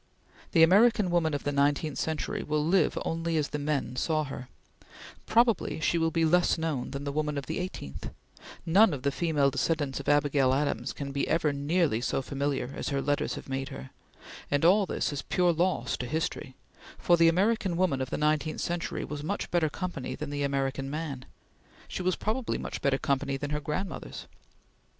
The American woman of the nineteenth century will live only as the man saw her; probably she will be less known than the woman of the eighteenth; none of the female descendants of Abigail Adams can ever be nearly so familiar as her letters have made her; and all this is pure loss to history, for the American woman of the nineteenth century was much better company than the American man; she was probably much better company than her grandmothers.